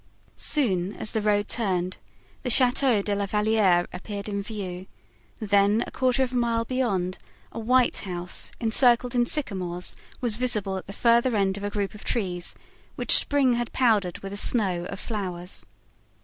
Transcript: Soon, as the road turned, the Chateau de la Valliere appeared in view; then, a quarter of a mile beyond, a white house, encircled in sycamores, was visible at the farther end of a group of trees, which spring had powdered with a snow of flowers.